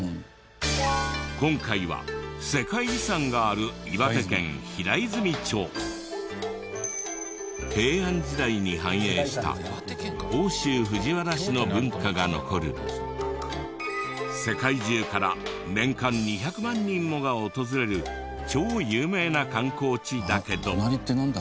今回は世界遺産がある平安時代に繁栄した奥州藤原氏の文化が残る世界中から年間２００万人もが訪れる超有名な観光地だけど。